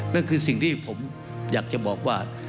นั่นคือสิ่งที่ผมอยากจะบอกว่า